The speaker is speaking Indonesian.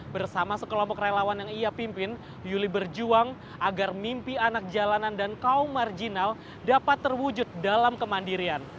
bersama sekelompok relawan yang ia pimpin yuli berjuang agar mimpi anak jalanan dan kaum marginal dapat terwujud dalam kemandirian